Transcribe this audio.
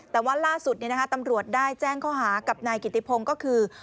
แต่ว่าล่าสุดตำรวจได้แจ้งข้อหากับนายกิติพงศ์ก็คือ